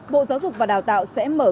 bộ giáo dục và đào tạo sẽ mở